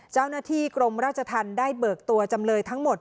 เจ้าหน้าที่กรมราชธรรมได้เบิกตัวจำเลยทั้งหมด